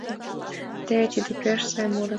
Теве, тиде пеш сай муро...